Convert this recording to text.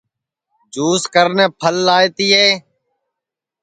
جُس کرنے پھل لائے تیئے